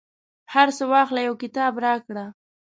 هرڅه واخله، یو کتاب راکړه